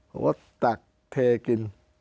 ผมก็ตักเทกิน